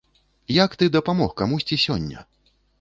Як ты дапамог камусьці сёння?